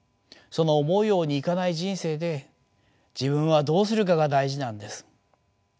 その思うようにいかない人生で自分はどうするかが大事なんです。